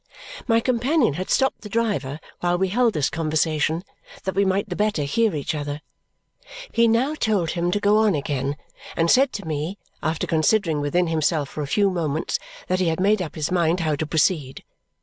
My companion had stopped the driver while we held this conversation, that we might the better hear each other. He now told him to go on again and said to me, after considering within himself for a few moments, that he had made up his mind how to proceed.